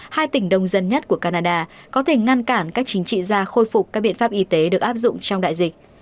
hai tỉnh đông dân nhất của canada có thể ngăn cản các chính trị gia khôi phục các biện pháp y tế được áp dụng trong đại dịch